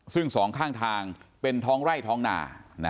ซึ่งสองข้างทางเป็นท้องไร่ท้องนา